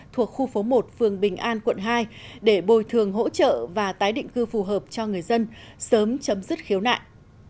thuộc khu phố một phường bình an quận hai để bồi thường hỗ trợ và tái định cư phù hợp cho người dân sớm chấm dứt khiếu nại